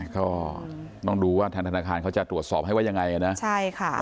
ก็ต้องดูว่าทางธนาคารเขาจะตรวจสอบให้ว่ายังไงนะใช่ค่ะ